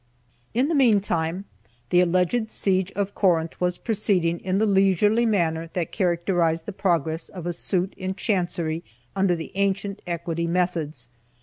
In the meantime the alleged siege of Corinth was proceeding in the leisurely manner that characterized the progress of a suit in chancery under the ancient equity methods.